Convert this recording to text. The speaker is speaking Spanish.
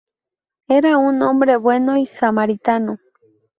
Era un hombre bueno y samaritano.